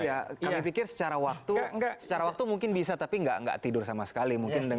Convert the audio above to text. ya kami pikir secara waktu mungkin bisa tapi nggak tidur sama sekali